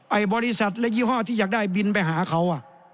บริษัทและยี่ห้อที่อยากได้บินไปหาเขา